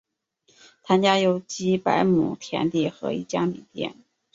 谭家有几百亩田地和一家米店。